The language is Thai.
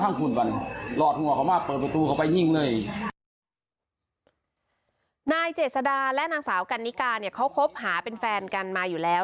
นายเจษดาและนางสาวกันนิกาเนี่ยเขาคบหาเป็นแฟนกันมาอยู่แล้ว